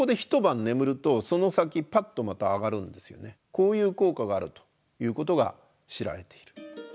こういう効果があるということが知られている。